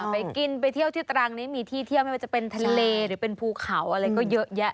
ไปกินไปเที่ยวที่ตรังนี้มีที่เที่ยวไม่ว่าจะเป็นทะเลหรือเป็นภูเขาอะไรก็เยอะแยะ